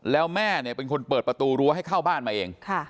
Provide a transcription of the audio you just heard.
แล้วแม่เนี่ยเป็นคนเปิดประตูรั้วให้เข้าบ้านมาเอง